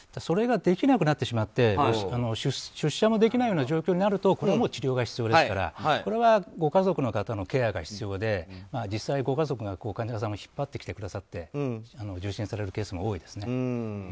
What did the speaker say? それができなくなってしまって出社もできない状況になるとこれは治療が必要ですからご家族の方のケアが必要で実際ご家族が患者さんを引っ張ってきてくださって受診されるケースが多いです。